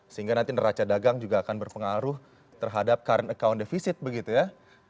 sehingga nanti neraca dagang juga akan berpengaruh terhadap current account defisit begitu ya